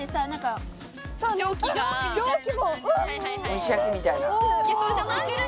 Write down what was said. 蒸し焼きみたいな。